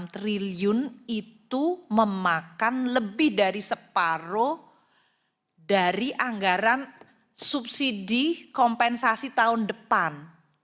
satu ratus sembilan puluh lima enam triliun itu memakan lebih dari separoh dari anggaran subsidi kompensasi tahun depan